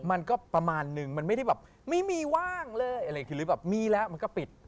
มันก็ประมาณนึงมันไม่ได้แบบไม่มีว่างเลยอะไรคือหรือแบบมีแล้วมันก็ปิด